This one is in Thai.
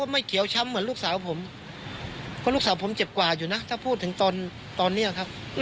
เพราะลูกสาวผมเจ็บกว่าอยู่นะถ้าพูดถึงตอนนี้ครับ